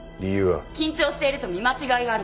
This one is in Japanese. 緊張していると見間違いがあるかも。